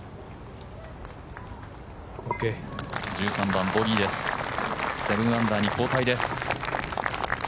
１３番ボギーです７アンダーに後退です。